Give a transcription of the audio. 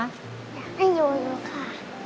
อยากให้อยู่ค่ะ